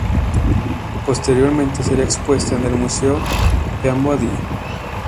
Posteriormente sería expuesta en el Museo Peabody.